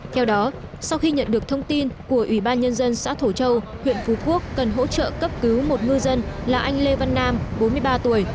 theo đó sau khi nhận được thông tin của ủy ban nhân dân xã thổ châu huyện phú quốc cần hỗ trợ cấp cứu một ngư dân là anh lê văn nam bốn mươi ba tuổi